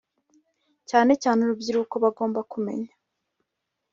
cyane cyane urubyiruko bagomba kumenya